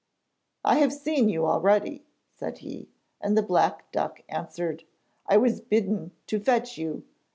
'I have seen you already,' said he, and the black duck answered: 'I was bidden to fetch you.